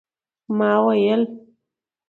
ما ویل